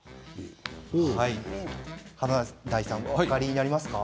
華大さんお分かりになりますか？